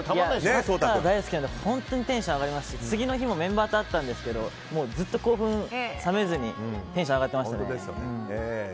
サッカー大好きなので本当にテンション上がりましたし次の日メンバーに会ったんですけどずっと興奮冷めずにテンション上がっていましたね。